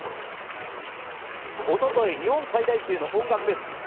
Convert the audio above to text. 一昨日、日本最大級の音楽フェス